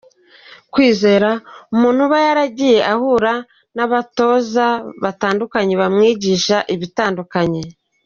Kwizera: Umuntu aba yaragiye ahura n’abatoza batandukanye bamwigisha ibitandukanye.